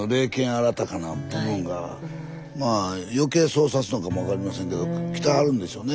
あらたかな部分がまあ余計そうさすのかも分かりませんけど来てはるんでしょうね